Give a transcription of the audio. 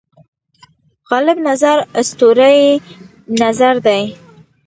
غالب نظر اسطوره یي نظر دی.